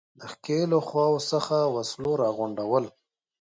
د ښکېلو خواوو څخه وسلو را غونډول.